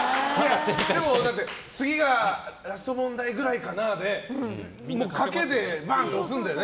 次がラスト問題ぐらいかなでもう、かけでバンって押すんだよね。